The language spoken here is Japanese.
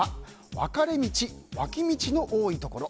分かれ道、脇道の多いところ。